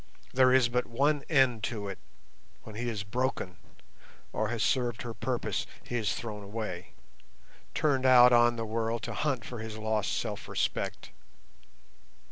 There is but one end to it: when he is broken, or has served her purpose, he is thrown away—turned out on the world to hunt for his lost self respect.